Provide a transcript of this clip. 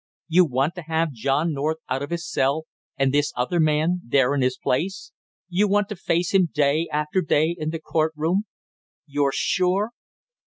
You want to have John North out of his cell and this other man there in his place; you want to face him day after day in the court room you're sure?"